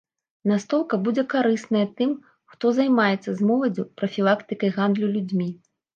Настолка будзе карысная тым, хто займаецца з моладдзю прафілактыкай гандлю людзьмі.